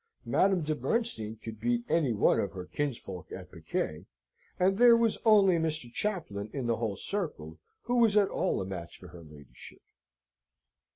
Madame de Bernstein could beat any one of her kinsfolk at piquet, and there was only Mr. Chaplain in the whole circle who was at all a match for her ladyship.